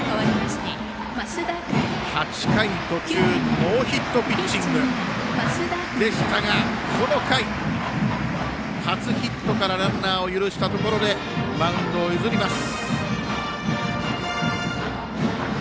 ８回途中、ノーヒットピッチングでしたがこの回、初ヒットからランナーを許したところでマウンドを譲ります。